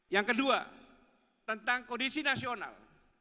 yang kedua tentang kondisi nasional